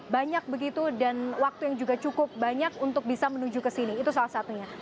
banyak begitu dan waktu yang juga cukup banyak untuk bisa menuju ke sini itu salah satunya